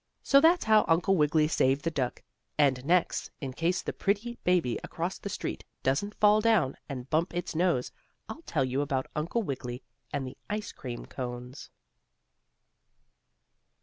So that's how Uncle Wiggily saved the duck, and next, in case the pretty baby across the street doesn't fall down and bump its nose, I'll tell you about Uncle Wiggily and the ice cream cones.